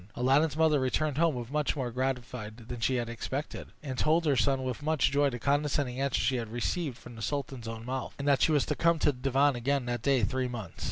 Aladdin's mother returned home much more gratified than she had expected, and told her son with much joy the condescending answer she had received from the sultan's own mouth; and that she was to come to the divan again that day three months.